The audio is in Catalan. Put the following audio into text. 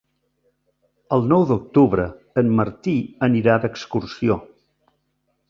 El nou d'octubre en Martí anirà d'excursió.